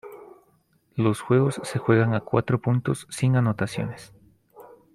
Los juegos se juegan a cuatro puntos sin anotaciones.